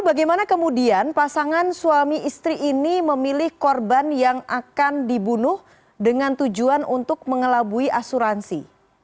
bagaimana kemudian pasangan suami istri ini memilih korban yang akan dibunuh dengan tujuan untuk mengelabui asuransi